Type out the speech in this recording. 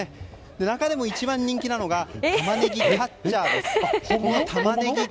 中でも一番人気なのがたまねぎキャッチャーです。